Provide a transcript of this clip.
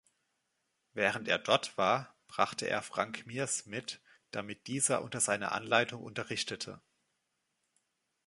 Während er dort war, brachte er Frank Mears mit, damit dieser unter seiner Anleitung unterrichtete.